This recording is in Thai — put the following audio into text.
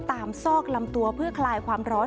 ซอกลำตัวเพื่อคลายความร้อน